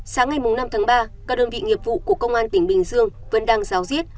sáng ngày năm tháng ba các đơn vị nghiệp vụ của công an tỉnh bình dương vẫn đang giáo diết